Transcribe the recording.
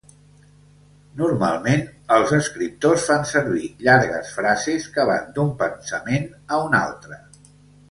Normalment, els escriptors fan servir llargues frases que van d'un pensament a un altre.